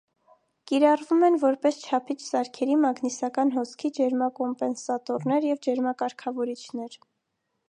Կիրառվում են որպես չափիչ սարքերի մագնիսական հոսքի ջերմակոմպենսատորներ և ջերմակարգավորիչներ։